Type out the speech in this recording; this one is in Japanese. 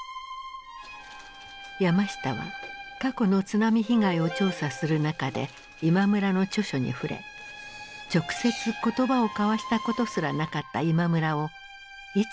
山下は過去の津波被害を調査する中で今村の著書に触れ直接言葉を交わしたことすらなかった今村をいつしか師と仰ぐようになった。